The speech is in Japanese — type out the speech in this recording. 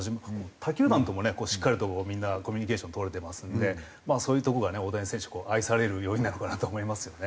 他球団ともねしっかりとみんなコミュニケーション取れてますのでそういうとこがね大谷選手愛される要因なのかなと思いますよね。